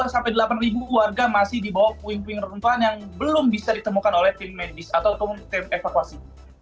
sampai delapan warga masih di bawah puing puing reruntuhan yang belum bisa ditemukan oleh tim medis atau tim evakuasi